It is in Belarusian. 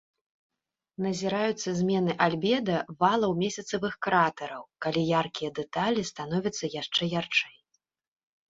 Назіраюцца змены альбеда валаў месяцавых кратэраў, калі яркія дэталі становяцца яшчэ ярчэй.